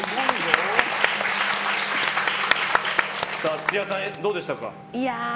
土屋さん、どうでしたか？